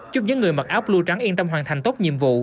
giúp những người mặc áo blue trắng yên tâm hoàn thành tốt nhiệm vụ